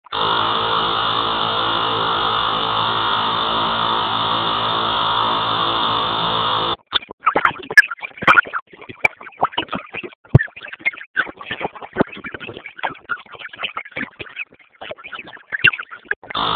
ما یو قیمت وویل چې پنځه سوه پونډه زیات و